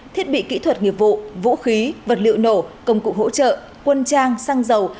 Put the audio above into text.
thiết bị kỹ thuật nghiệp vụ vũ khí vật liệu nổ công cụ hỗ trợ quân trang xăng dầu